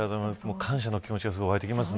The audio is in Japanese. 感謝の気持ちがすごいわいてきますね。